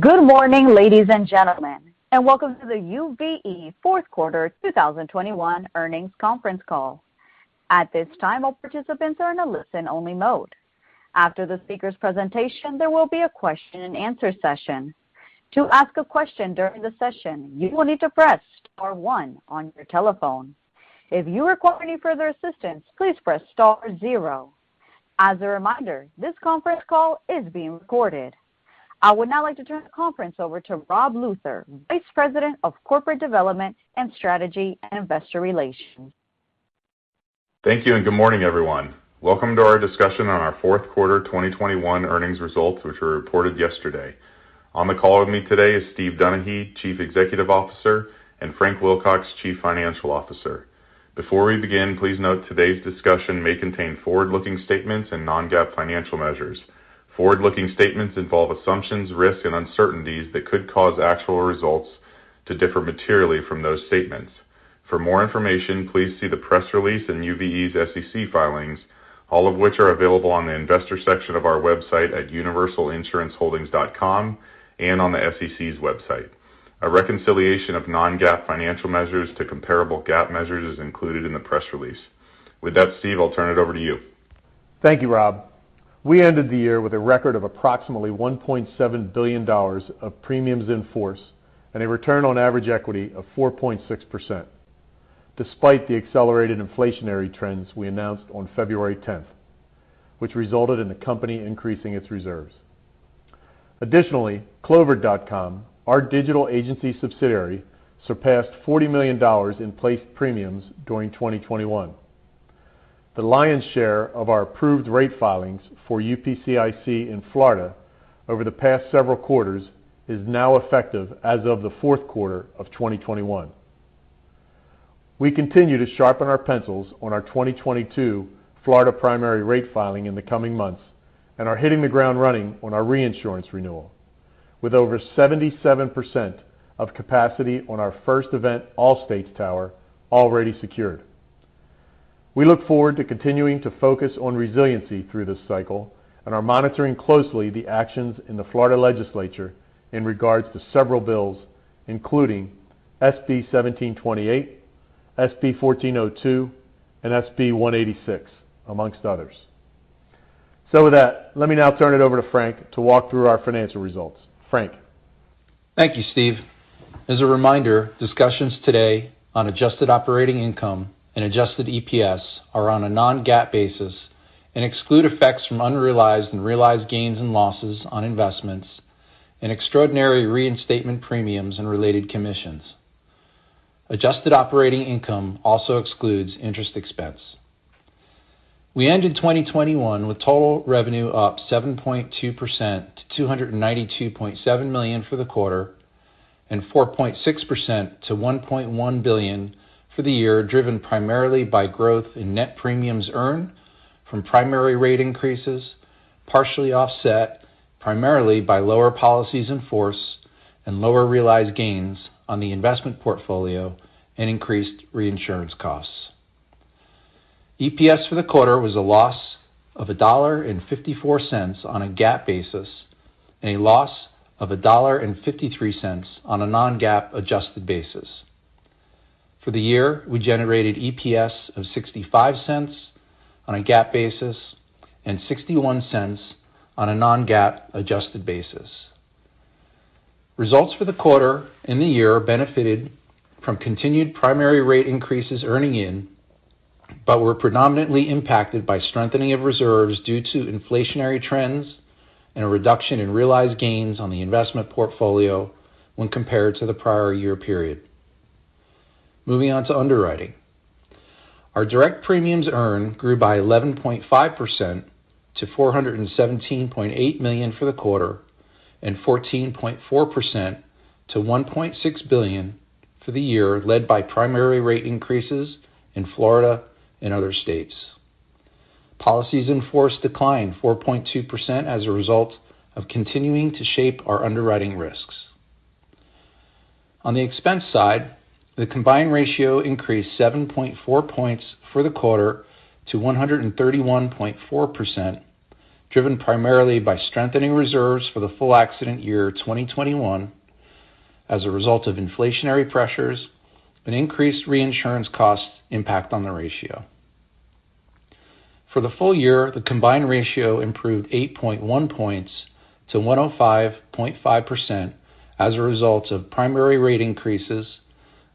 Good morning, ladies and gentlemen, and welcome to the UVE fourth quarter 2021 earnings conference call. At this time, all participants are in a listen-only mode. After the speaker's presentation, there will be a question-and-answer session. To ask a question during the session, you will need to press star one on your telephone. If you require any further assistance, please press star zero. As a reminder, this conference call is being recorded. I would now like to turn the conference over to Rob Luther, Vice President of Corporate Development and Strategy and Investor Relations. Thank you, and good morning, everyone. Welcome to our discussion on our fourth quarter 2021 earnings results, which were reported yesterday. On the call with me today is Steve Donaghy, Chief Executive Officer, and Frank Wilcox, Chief Financial Officer. Before we begin, please note today's discussion may contain forward-looking statements and non-GAAP financial measures. Forward-looking statements involve assumptions, risks, and uncertainties that could cause actual results to differ materially from those statements. For more information, please see the press release in UVE's SEC filings, all of which are available on the investor section of our website at universalinsuranceholdings.com and on the SEC's website. A reconciliation of non-GAAP financial measures to comparable GAAP measures is included in the press release. With that, Steve, I'll turn it over to you. Thank you, Rob. We ended the year with a record of approximately $1.7 billion of premiums in force and a return on average equity of 4.6% despite the accelerated inflationary trends we announced on February 10th, which resulted in the company increasing its reserves. Additionally, Clovered.com, our digital agency subsidiary, surpassed $40 million in placed premiums during 2021. The lion's share of our approved rate filings for UPCIC in Florida over the past several quarters is now effective as of the fourth quarter of 2021. We continue to sharpen our pencils on our 2022 Florida primary rate filing in the coming months and are hitting the ground running on our reinsurance renewal. With over 77% of capacity on our first event, All States tower, already secured. We look forward to continuing to focus on resiliency through this cycle and are monitoring closely the actions in the Florida legislature in regards to several bills, including SB 1728, SB 1402, and SB 186, amongst others. With that, let me now turn it over to Frank to walk through our financial results. Frank. Thank you, Steve. As a reminder, discussions today on adjusted operating income and adjusted EPS are on a non-GAAP basis and exclude effects from unrealized and realized gains and losses on investments and extraordinary reinstatement premiums and related commissions. Adjusted operating income also excludes interest expense. We ended 2021 with total revenue up 7.2% to $292.7 million for the quarter and 4.6% to $1.1 billion for the year, driven primarily by growth in net premiums earned from primary rate increases, partially offset primarily by lower policies in force and lower realized gains on the investment portfolio and increased reinsurance costs. EPS for the quarter was a loss of $1.54 on a GAAP basis and a loss of $1.53 on a non-GAAP adjusted basis. For the year, we generated EPS of $0.65 on a GAAP basis and $0.61 on a non-GAAP adjusted basis. Results for the quarter and the year benefited from continued primary rate increases earning in, but were predominantly impacted by strengthening of reserves due to inflationary trends and a reduction in realized gains on the investment portfolio when compared to the prior year period. Moving on to underwriting. Our direct premiums earned grew by 11.5% to $417.8 million for the quarter and 14.4% to $1.6 billion for the year, led by primary rate increases in Florida and other states. Policies in force declined 4.2% as a result of continuing to shape our underwriting risks. On the expense side, the combined ratio increased 7.4 points for the quarter to 131.4%, driven primarily by strengthening reserves for the full accident year 2021 as a result of inflationary pressures and increased reinsurance costs impact on the ratio. For the full-year, the combined ratio improved 8.1 points to 105.5% as a result of primary rate increases,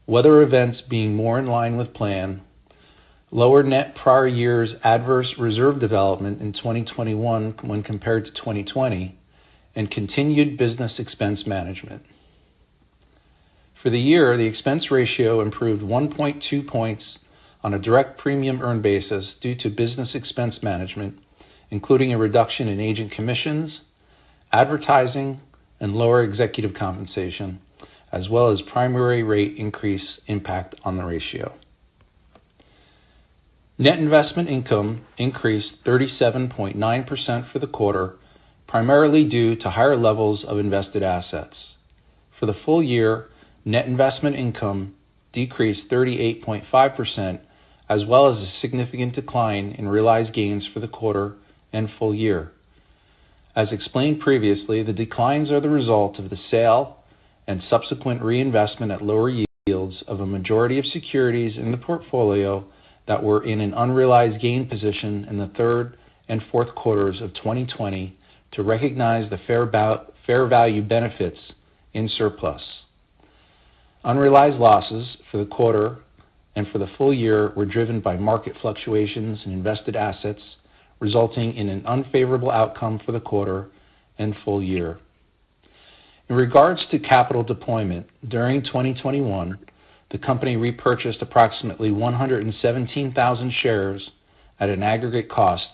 weather events being more in line with plan, lower net prior year's adverse reserve development in 2021 when compared to 2020, and continued business expense management. For the year, the expense ratio improved 1.2 points on a direct premium earned basis due to business expense management, including a reduction in agent commissions, advertising, and lower executive compensation, as well as primary rate increase impact on the ratio. Net investment income increased 37.9% for the quarter, primarily due to higher levels of invested assets. For the full-year, net investment income decreased 38.5% as well as a significant decline in realized gains for the quarter and full-year. As explained previously, the declines are the result of the sale and subsequent reinvestment at lower yields of a majority of securities in the portfolio that were in an unrealized gain position in the third and fourth quarters of 2020 to recognize the fair value benefits in surplus. Unrealized losses for the quarter and for the full year were driven by market fluctuations in invested assets, resulting in an unfavorable outcome for the quarter and full year. In regards to capital deployment, during 2021, the company repurchased approximately 117,000 shares at an aggregate cost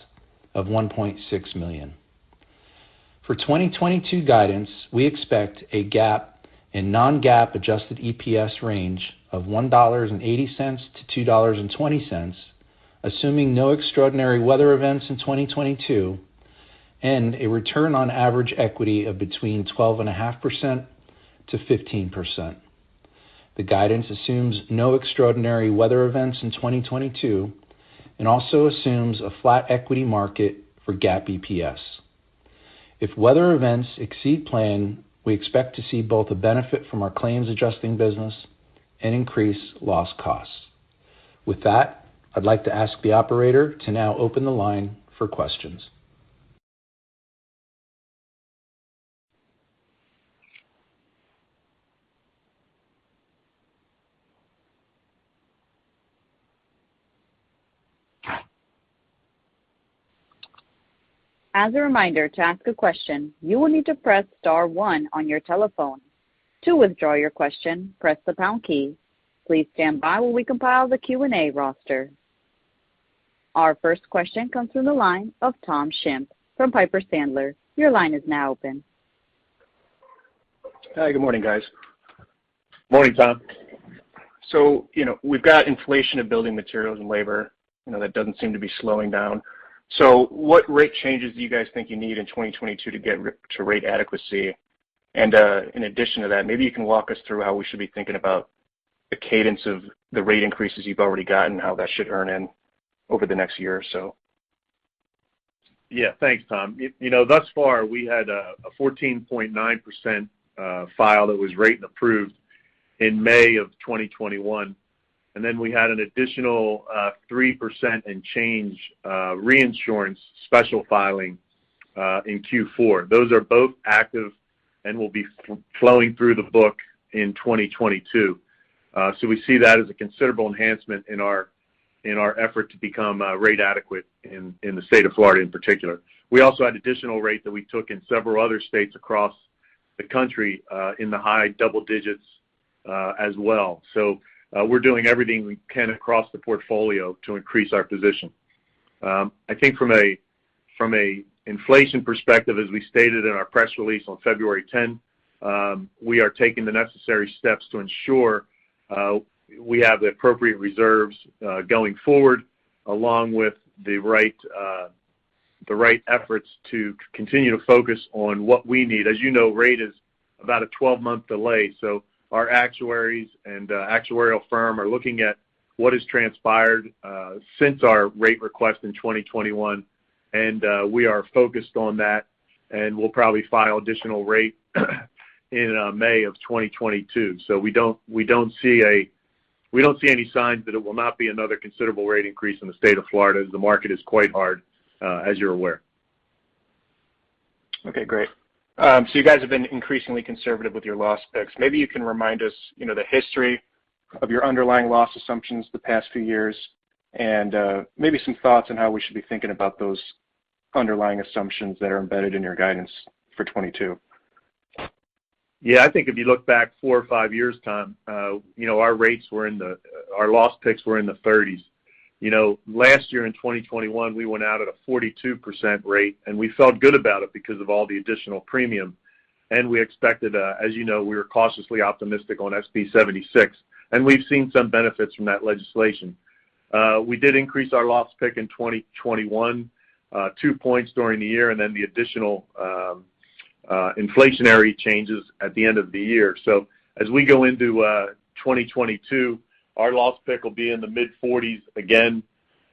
of $1.6 million. For 2022 guidance, we expect a GAAP and non-GAAP adjusted EPS range of $1.80-$2.20, assuming no extraordinary weather events in 2022 and a return on average equity of between 12.5% to 15%. The guidance assumes no extraordinary weather events in 2022 and also assumes a flat equity market for GAAP EPS. If weather events exceed plan, we expect to see both the benefit from our claims adjusting business and increase loss costs. With that, I'd like to ask the operator to now open the line for questions. As a reminder, to ask a question, you will need to press star one on your telephone. To withdraw your question, press the pound key. Please stand by while we compile the Q&A roster. Our first question comes through the line of Tom Shimp from Piper Sandler. Your line is now open. Hi, good morning, guys. Morning, Tom. You know, we've got inflation of building materials and labor, you know, that doesn't seem to be slowing down. What rate changes do you guys think you need in 2022 to get to rate adequacy? And, in addition to that, maybe you can walk us through how we should be thinking about the cadence of the rate increases you've already gotten, how that should earn in over the next year or so. Yeah. Thanks, Tom. You know, thus far, we had a 14.9% filing that was rated and approved in May 2021, and then we had an additional 3% and change reinsurance special filing in Q4. Those are both active and will be flowing through the book in 2022. We see that as a considerable enhancement in our effort to become rate adequate in the state of Florida in particular. We also had additional rate that we took in several other states across the country in the high double digits as well. We're doing everything we can across the portfolio to increase our position. I think from a inflation perspective, as we stated in our press release on February 10th, we are taking the necessary steps to ensure we have the appropriate reserves going forward, along with the right efforts to continue to focus on what we need. As you know, rate is about a 12-month delay, so our actuaries and actuarial firm are looking at what has transpired since our rate request in 2021, and we are focused on that, and we'll probably file additional rate in May of 2022. We don't see any signs that it will not be another considerable rate increase in the state of Florida as the market is quite hard, as you're aware. Okay, great. You guys have been increasingly conservative with your loss picks. Maybe you can remind us, you know, the history of your underlying loss assumptions the past few years and maybe some thoughts on how we should be thinking about those underlying assumptions that are embedded in your guidance for 2022. Yeah. I think if you look back four or five years, Tom, you know, our loss picks were in the 30s. You know, last year in 2021, we went out at a 42% rate, and we felt good about it because of all the additional premium. We expected, as you know, we were cautiously optimistic on SB 76, and we've seen some benefits from that legislation. We did increase our loss picks in 2021, two points during the year and then the additional inflationary changes at the end of the year. As we go into 2022, our loss picks will be in the mid-40s again,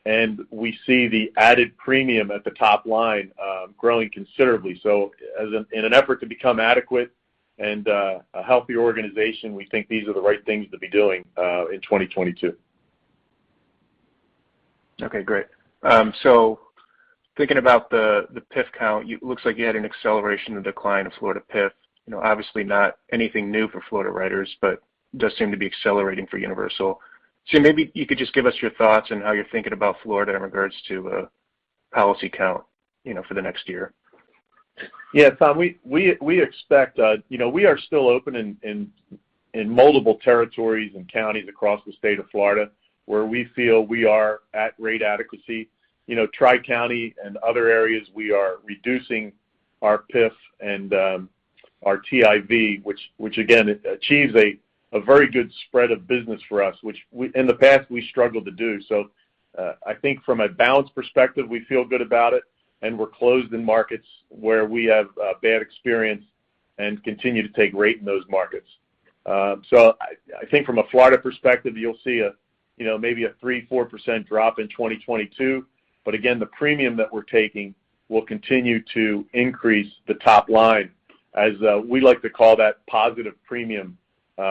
and we see the added premium at the top line growing considerably. In an effort to become adequate and a healthy organization, we think these are the right things to be doing in 2022. Okay, great. So thinking about the PIF count, it looks like you had an acceleration of decline of Florida PIF, you know, obviously not anything new for Florida writers, but does seem to be accelerating for Universal. Maybe you could just give us your thoughts on how you're thinking about Florida in regards to policy count, you know, for the next year. Yeah. Tom, we expect, you know, we are still open in multiple territories and counties across the state of Florida, where we feel we are at rate adequacy. You know, Tri-County and other areas, we are reducing our PIF and our TIV, which again achieves a very good spread of business for us, which in the past we struggled to do. I think from a balance perspective, we feel good about it, and we're closed in markets where we have bad experience and continue to take rate in those markets. I think from a Florida perspective, you'll see, you know, maybe a 3%-4% drop in 2022. Again, the premium that we're taking will continue to increase the top line as we like to call that positive premium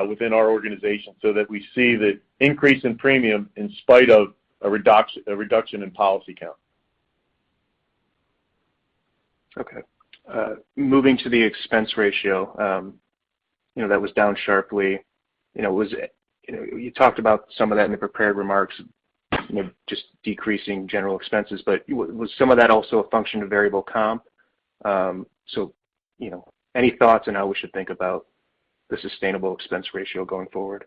within our organization, so that we see the increase in premium in spite of a reduction in policy count. Okay. Moving to the expense ratio, you know, that was down sharply. You know, was it, you know, you talked about some of that in the prepared remarks, you know, just decreasing general expenses. But was some of that also a function of variable comp? You know, any thoughts on how we should think about the sustainable expense ratio going forward?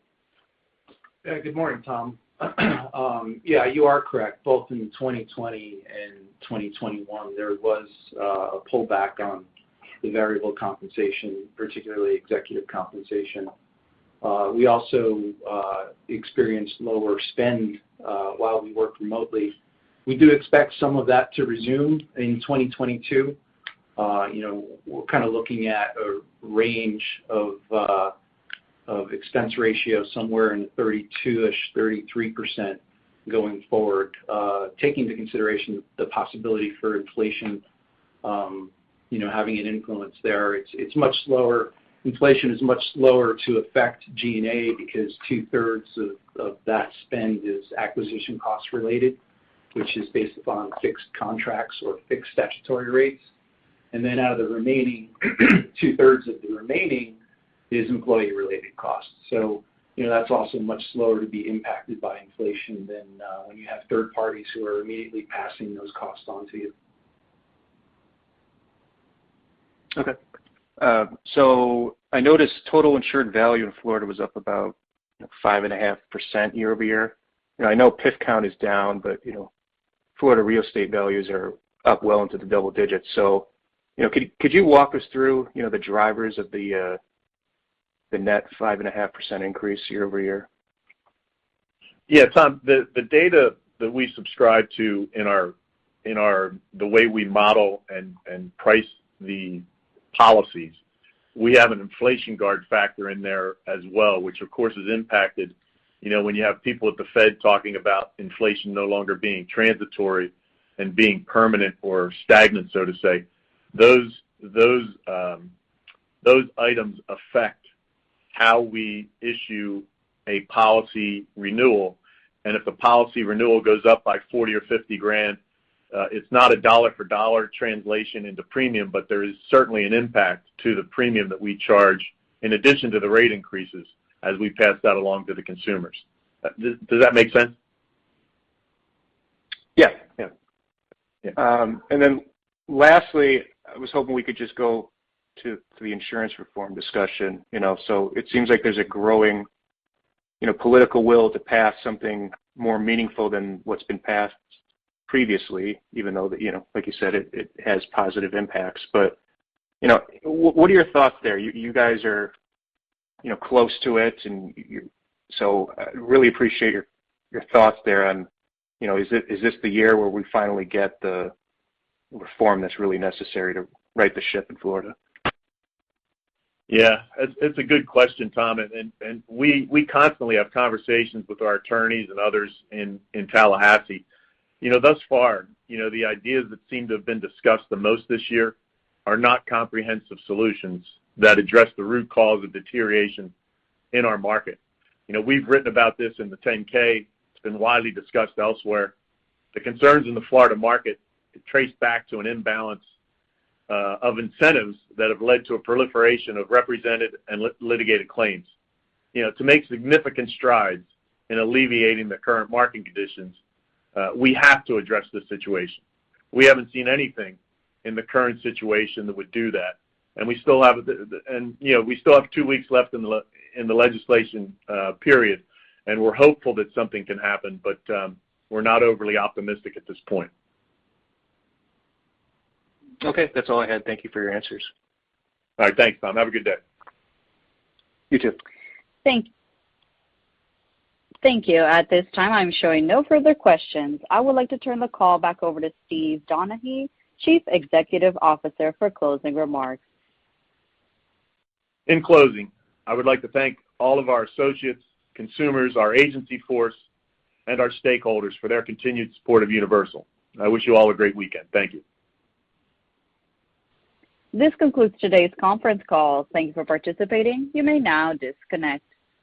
Yeah. Good morning, Tom. Yeah, you are correct. Both in 2020 and 2021, there was a pullback on the variable compensation, particularly executive compensation. We also experienced lower spend while we worked remotely. We do expect some of that to resume in 2022. You know, we're kind of looking at a range of expense ratio somewhere in 32ish, 33% going forward, taking into consideration the possibility for inflation, you know, having an influence there. It's much slower. Inflation is much slower to affect G&A because two-thirds of that spend is acquisition cost related, which is based upon fixed contracts or fixed statutory rates. Then out of the remaining, two-thirds is employee-related costs. you know, that's also much slower to be impacted by inflation than when you have third parties who are immediately passing those costs on to you. Okay. I noticed total insured value in Florida was up about 5.5% year-over-year. You know, I know PIF count is down, but, you know, Florida real estate values are up well into the double digits. You know, could you walk us through, you know, the drivers of the net 5.5% increase year-over-year? Yeah, Tom, the data that we subscribe to the way we model and price the policies, we have an inflation guard factor in there as well, which of course, is impacted. You know, when you have people at the Fed talking about inflation no longer being transitory and being permanent or stagnant, so to say, those items affect how we issue a policy renewal. If a policy renewal goes up by $40,000 or $50,000, it's not a dollar for dollar translation into premium, but there is certainly an impact to the premium that we charge in addition to the rate increases as we pass that along to the consumers. Does that make sense? Yeah. Lastly, I was hoping we could just go to the insurance reform discussion, you know. It seems like there's a growing, you know, political will to pass something more meaningful than what's been passed previously, even though the, you know, like you said, it has positive impacts. What are your thoughts there? You guys are, you know, close to it. Really appreciate your thoughts there on, you know, is this the year where we finally get the reform that's really necessary to right the ship in Florida? Yeah. It's a good question, Tom, and we constantly have conversations with our attorneys and others in Tallahassee. You know, thus far, you know, the ideas that seem to have been discussed the most this year are not comprehensive solutions that address the root cause of deterioration in our market. You know, we've written about this in the 10-K. It's been widely discussed elsewhere. The concerns in the Florida market trace back to an imbalance of incentives that have led to a proliferation of represented and litigated claims. You know, to make significant strides in alleviating the current market conditions, we have to address this situation. We haven't seen anything in the current situation that would do that. We still have the, you know, we still have two weeks left in the legislation period, and we're hopeful that something can happen, but we're not overly optimistic at this point. Okay, that's all I had. Thank you for your answers. All right. Thanks, Tom. Have a good day. You too. Thank you. At this time, I'm showing no further questions. I would like to turn the call back over to Steve Donaghy, Chief Executive Officer, for closing remarks. In closing, I would like to thank all of our associates, consumers, our agency force, and our stakeholders for their continued support of Universal. I wish you all a great weekend. Thank you. This concludes today's conference call. Thank you for participating. You may now disconnect.